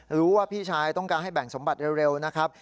หรือว่าพี่ชายต้องการให้แบ่งสมบัติเร็วนะครับ